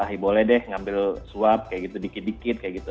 ah boleh deh ngambil suap kayak gitu dikit dikit kayak gitu